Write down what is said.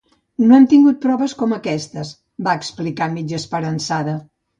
"No hem tingut proves com aquestes", va explicar, mig esperançada.